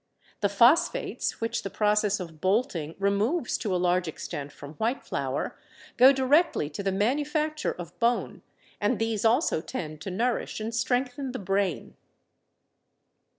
The phosphates which the process of "bolting" removes to a large extent from white flour, go directly to the manufacture of bone, and these also tend to nourish and strengthen the brain.